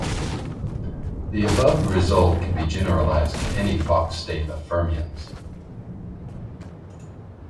The above result can be generalized to any Fock state of fermions.